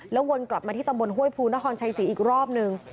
วนกลับมาที่ตำบลห้วยภูนครชัยศรีอีกรอบนึง